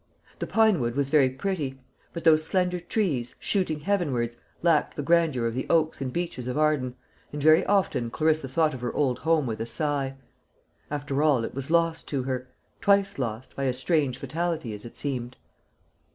The pine wood was very pretty; but those slender trees, shooting heavenwards, lacked the grandeur of the oaks and beeches of Arden, and very often Clarissa thought of her old home with a sigh. After all, it was lost to her; twice lost, by a strange fatality, as it seemed.